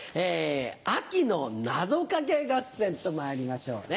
「秋のなぞかけ合戦」とまいりましょうね。